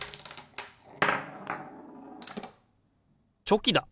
チョキだ！